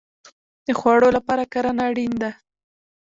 د خوړو لپاره کرنه اړین ده